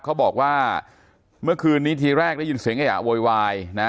เขาบอกว่าเมื่อคืนนี้ทีแรกได้ยินเสียงเออะโวยวายนะ